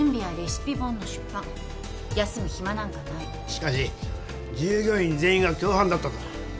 しかし従業員全員が共犯だったとは。